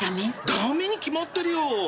駄目に決まってるよ。